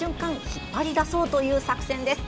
引っ張り出そうという作戦です。